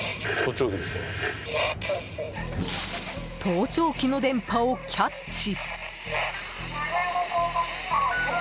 盗聴器の電波をキャッチ！